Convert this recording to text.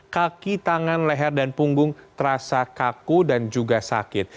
kaki tangan leher dan punggung terasa kaku dan juga sakit